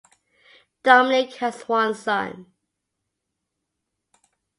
Dominik has one son.